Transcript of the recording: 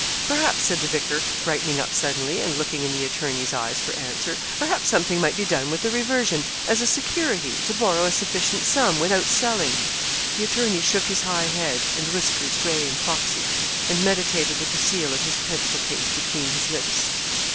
'Perhaps,' said the vicar, brightening up suddenly, and looking in the attorney's eyes for answer, 'Perhaps something might be done with the reversion, as a security, to borrow a sufficient sum, without selling.' The attorney shook his high head, and whiskers gray and foxy, and meditated with the seal of his pencil case between his lips.